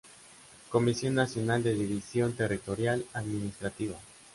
Comisión Nacional de División Territorial Administrativa.